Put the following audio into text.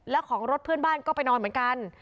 และของรถเพื่อนบ้านก็ไปนอนเหมือนกัน